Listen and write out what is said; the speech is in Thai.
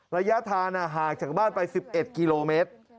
ระยะทางห่างจากบ้านไป๑๑กิโลเมตร